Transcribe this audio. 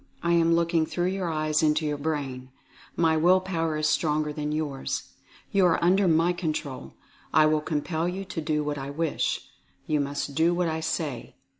I am looking through your eyes into your brain. My will power is stronger than yours. You are under my control. I will compel you to do what I wish. You must do what I say.